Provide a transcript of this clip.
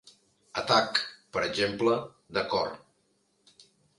Atac, per exemple, de cor.